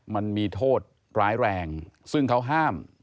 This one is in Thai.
มันมีโทษร้ายแรงซึ่งเขาห้าม